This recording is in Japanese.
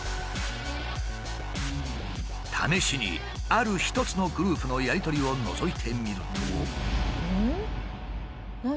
試しにある一つのグループのやり取りをのぞいてみると。